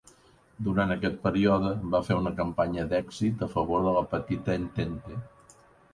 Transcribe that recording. Durant aquest període, va fer una campanya d'èxit a favor de la Petita Entente.